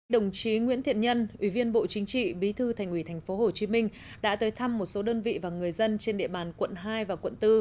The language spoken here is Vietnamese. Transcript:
đồng chí nguyễn thiện nhân ủy viên bộ chính trị bí thư thành ủy tp hcm đã tới thăm một số đơn vị và người dân trên địa bàn quận hai và quận bốn